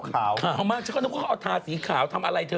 ขาวมากเขาต้องก็เอาทาสีขาวทำอะไรเธอ